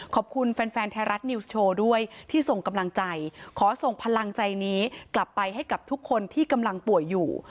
ขอบคุณแฟนแฟนไทยรัฐนิวส์โชว์ด้วยที่ส่งกำลังใจขอส่งพลังใจนี้กลับไปให้กับทุกคนที่กำลังป่วยอยู่